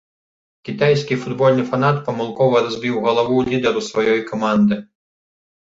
Кітайскі футбольны фанат памылкова разбіў галаву лідару сваёй каманды.